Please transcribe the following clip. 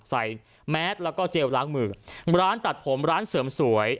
แมสแล้วก็เจลล้างมือร้านตัดผมร้านเสริมสวย